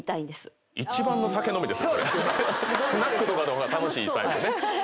スナックとかの方が楽しいタイプね。